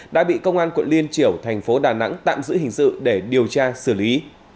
đã bị công an quận liên triểu thành phố đà nẵng tạm giữ hình sự để điều tra xử lý